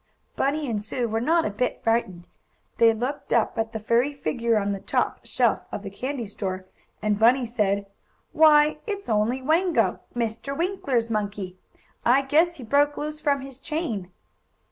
Bunny and Sue were not a bit frightened. They looked up at the furry figure, on the top shelf of the candy store, and Bunny said: "Why, it's only Wango, Mr. Winkler's monkey! I guess he broke loose from his chain."